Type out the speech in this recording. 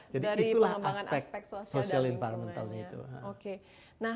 jadi itulah aspek social environmental itu